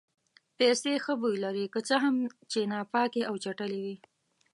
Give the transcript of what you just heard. پیسې ښه بوی لري که څه هم چې ناپاکې او چټلې وي.